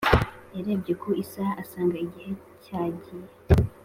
yarebye ku isaha asanga igihe cya giye